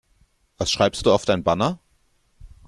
Was schreibst du auf dein Banner?